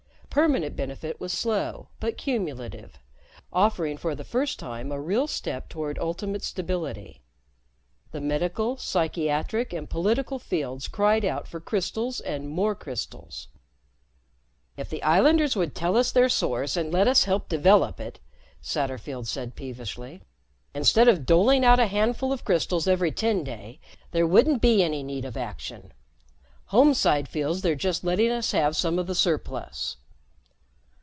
Permanent benefit was slow but cumulative, offering for the first time a real step toward ultimate stability. The medical, psychiatric and political fields cried out for crystals and more crystals. "If the islanders would tell us their source and let us help develop it," Satterfield said peevishly, "instead of doling out a handful of crystals every Tenday, there wouldn't be any need of action. Homeside feels they're just letting us have some of the surplus."